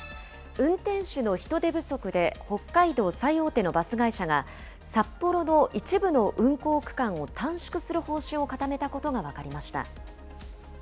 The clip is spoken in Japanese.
運転手の人手不足で北海道最大手のバス会社が札幌の一部の運行区間を短縮する方針を固めたことが分かりました。